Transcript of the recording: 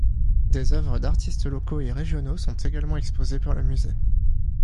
Des œuvres d'artistes locaux et régionaux sont également exposées par le musée.